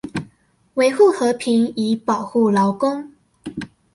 維護和平以保護勞工